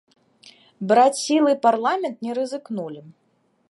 Браць сілай парламент не рызыкнулі.